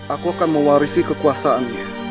aku akan mewarisi kekuasaannya